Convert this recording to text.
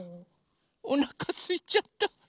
おなかすいちゃった！